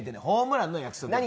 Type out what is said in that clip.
ホームランの約束。